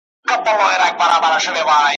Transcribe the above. شیخه قول دي پر ځای کړ نن چي سره لاسونه ګرځې `